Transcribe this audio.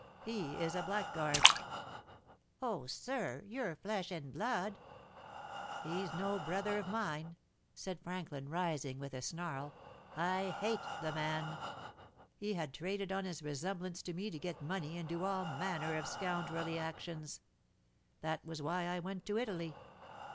He is a blackguard." "Oh, sir, your flesh and blood." "He's no brother of mine," said Franklin, rising, with a snarl. "I hate the man. He had traded on his resemblance to me to get money and do all manner of scoundrelly actions. That was why I went to Italy.